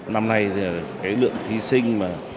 năm nay thì cái lượng thí sinh